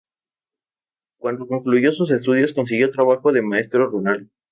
Cuando concluyó sus estudios, consiguió trabajo de maestro rural.